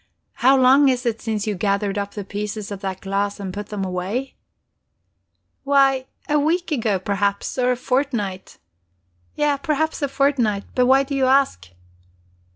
"How long is it since you gathered up the pieces of that glass and put them away?" "Why a week ago, perhaps, or a fortnight. Yes, perhaps a fortnight. But why do you ask?